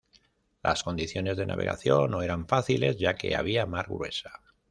Las condiciones de navegación no eran fáciles ya que había mar gruesa.